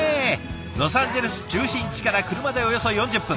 ロサンゼルス中心地から車でおよそ４０分。